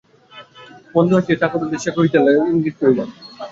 মন্দা হাসিয়া চারুর উদ্দেশে ইঙ্গিত করিল।